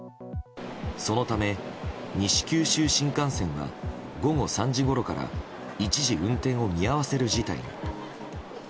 そのため西九州新幹線は午後３時ごろから一時運転を見合わせる事態に。